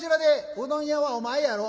「うどん屋はお前やろ」。